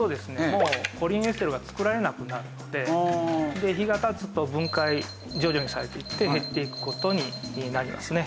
もうコリンエステルが作られなくなって日が経つと分解徐々にされていって減っていく事になりますね。